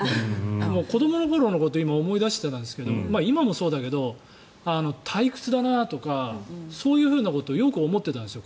子どもの頃のことを今思い出していたんですけど今もそうだけど退屈だなとか、そういうことをよく思っていたんですよ